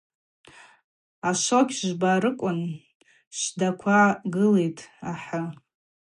Ашвокь жвбарыквын швдаква гылитӏ, ахӏы.